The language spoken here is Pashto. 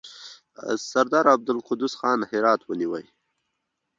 سردار عبدالقدوس خان هرات ونیوی.